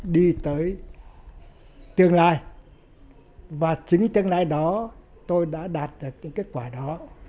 đi tới tương lai và chính tương lai đó tôi đã đạt được cái kết quả đó